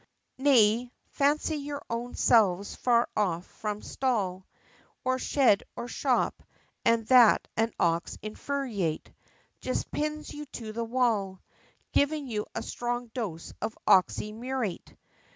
Nay, fancy your own selves far off from stall, Or shed, or shop and that an Ox infuriate Just pins you to the wall, Giving you a strong dose of _Oxy Muriate!